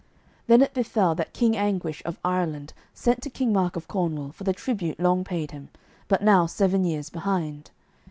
Then it befell that King Anguish of Ireland sent to King Mark of Cornwall for the tribute long paid him, but now seven years behind.